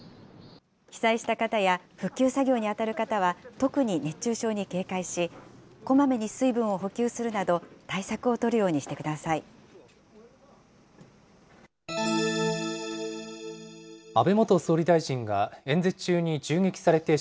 被災した方や復旧作業に当たる方は特に熱中症に警戒し、こまめに水分を補給するなど対策を取るようにしてください。